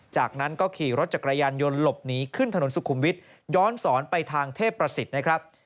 จากนั้นก็ขี่รถจักรยานยนต์หลบหนีขึ้นถนนสุขุมวิทย้อนสอนไปทางเทพประสิทธิ์นะครับ